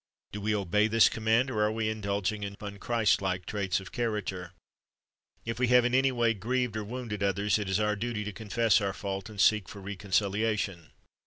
"^ Do we obey this command, or are we indulging sharp, unchristlike traits of character ? If we have in any way grieved or wounded others, it is our duty to confess our fault, and seek for reconciliation.